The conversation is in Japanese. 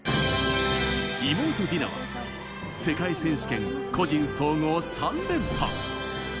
妹ディナは世界選手権個人総合３連覇。